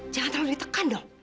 jangan terlalu ditekan dong